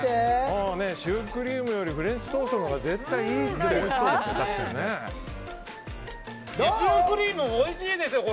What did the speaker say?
シュークリームよりフレンチトーストのほうがシュークリームもおいしいですよ。